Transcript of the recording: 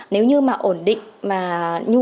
nếu như mà ổn định